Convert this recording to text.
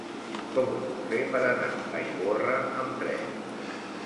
Com ho puc fer per anar a Ivorra amb tren?